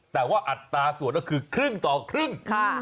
แต่ว่าอัตราส่วนก็คือครึ่งต่อครึ่ง